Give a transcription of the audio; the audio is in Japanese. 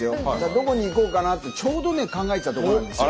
どこに行こうかなってちょうどね考えてたところなんですよ。